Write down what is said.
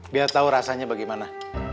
biar tau rasanya bagaimana